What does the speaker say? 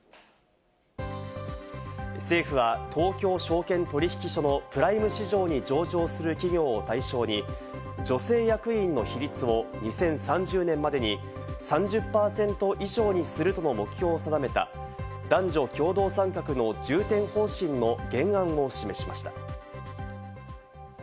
政府は東京証券取引所のプライム市場に上場する企業を対象に女性役員の比率を２０３０年までに３０％以上にするとの目標を定めた男女共同参画の重点方針の原案を示しました。